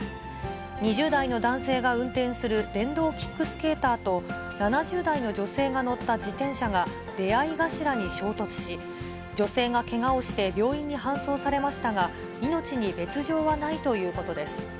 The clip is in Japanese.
２０代の男性が運転する電動キックスケーターと、７０代の女性が乗った自転車が出会い頭に衝突し、女性がけがをして病院に搬送されましたが、命に別状はないということです。